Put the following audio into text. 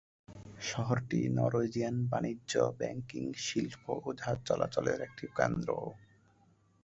শহরটি নরওয়েজিয়ান বাণিজ্য, ব্যাংকিং, শিল্প ও জাহাজ চলাচলের একটি কেন্দ্রও।